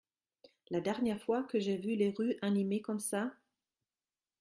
La dernière fois que j’ai vu les rues animées comme ça